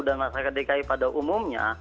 dan masyarakat dki pada umumnya